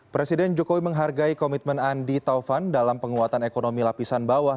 presiden jokowi menghargai komitmen andi taufan dalam penguatan ekonomi lapisan bawah